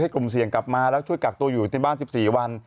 กลุ่มเสี่ยงกลับมาแล้วช่วยกักตัวอยู่ที่บ้าน๑๔วัน